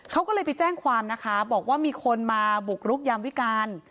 เขาก็เลยไปแจ้งความนะคะบอกว่ามีคนมาบุกรุกยามวิการ